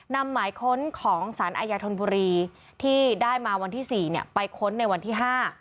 นำหมายค้นของสารอาญาธนบุรีที่ได้มาวันที่๔ไปค้นในวันที่๕